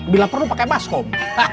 bila perlu pakai baskom